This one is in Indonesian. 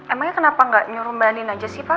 emangnya kenapa gak nyuruh mbak anin aja sih pak